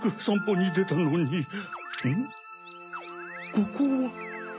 ここは？